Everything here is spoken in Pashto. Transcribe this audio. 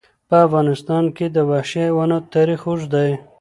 په افغانستان کې د وحشي حیوانات تاریخ اوږد دی.